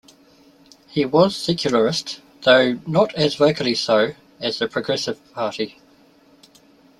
It was secularist, though not as vocally so as the Progressive Party.